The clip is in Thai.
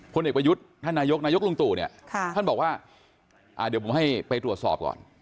พลเอกประยุทธ์ท่านนายกนายกลุงตู่เนี่ยท่านบอกว่าเดี๋ยวผมให้ไปตรวจสอบก่อน